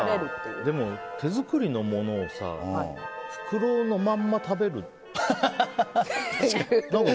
でも、手作りのものを袋のまんま食べるって。